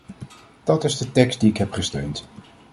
Dat is de tekst die ik heb gesteund.